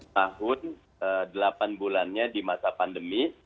tahun delapan bulannya di masa pandemi